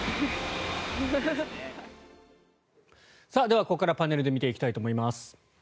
ではここから、パネルで見ていきたいと思います。